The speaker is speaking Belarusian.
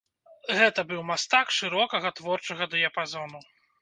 Гэта быў мастак шырокага творчага дыяпазону.